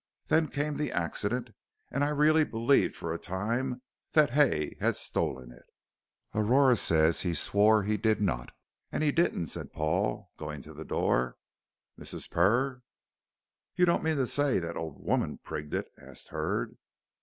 Then came the accident, and I really believed for a time that Hay had stolen it." "Aurora says he swore he did not." "And he didn't," said Paul, going to the door. "Mrs. Purr!" "You don't mean to say that old woman prigged it?" asked Hurd.